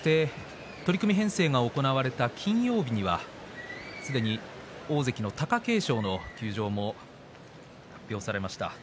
取組編成が行われた金曜日にはすでに大関の貴景勝の休場も発表されました。